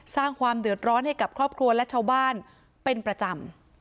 สร้างความเดือดร้อนให้กับครอบครัวและชาวบ้านเป็นประจำ